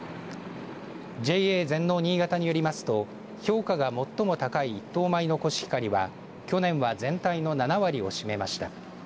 ＪＡ全農にいがたによりますと評価が最も高い１等米のコシヒカリは去年は全体の７割を占めました。